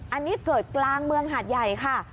อันนี้เกิดกลางเมืองหาดใหญ่ค่ะ